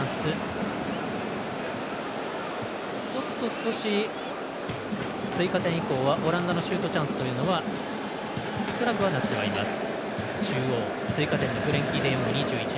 少し追加点以降はオランダのシュートチャンスというのは少なくはなってはいます。